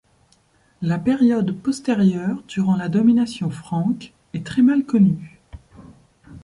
La période postérieure, durant la domination franque, est très mal connue.